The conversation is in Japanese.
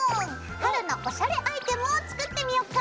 春のおしゃれアイテムを作ってみようか。